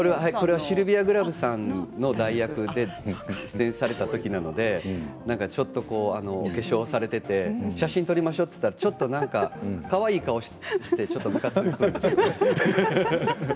シルビア・グラブさんの代役で出演された時なのでちょっとお化粧をされていて写真を撮りましょうと言ったらちょっと、かわいい顔をしてむかつきました。